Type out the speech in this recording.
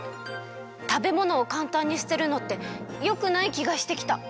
食べ物をかんたんにすてるのってよくないきがしてきた。